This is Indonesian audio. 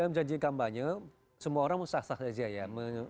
dalam janji kampanye semua orang mau sah sah saja ya